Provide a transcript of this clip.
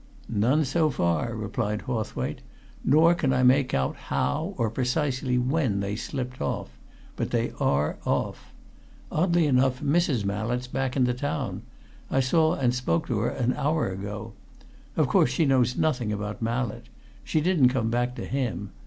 "None, so far," replied Hawthwaite. "Nor can I make out how or precisely when they slipped off. But they are off. Oddly enough, Mrs. Mallett's back in the town I saw and spoke to her an hour ago. Of course she knows nothing about Mallett. She didn't come back to him.